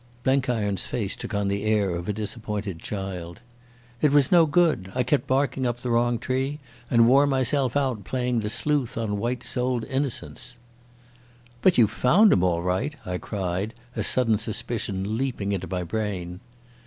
Blenkiron's face took on the air of a disappointed child. "It was no good. I kept barking up the wrong tree and wore myself out playing the sleuth on white souled innocents." "But you've found him all right," I cried, a sudden suspicion leaping into my brain.